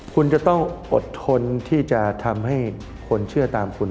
คุณจะต้องอดทนที่จะทำให้คนเชื่อตามคุณ